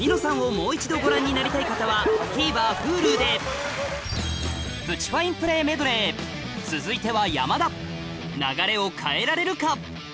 もう一度ご覧になりたい方はＴＶｅｒＨｕｌｕでプチファインプレーメドレー続いては山田流れを変えられるか？